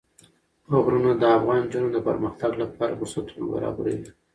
غرونه د افغان نجونو د پرمختګ لپاره فرصتونه برابروي.